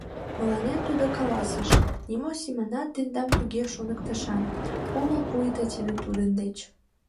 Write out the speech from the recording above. Мыланем тудо каласыш: нимо семынат тендам туге шоныктышан! омыл, пуйто тиде тудын деч.